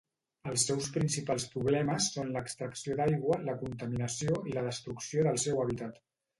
Els seus principals problemes són l'extracció d'aigua, la contaminació i la destrucció del seu hàbitat.